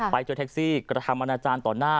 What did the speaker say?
จนแท็กซี่กระทำอนาจารย์ต่อหน้า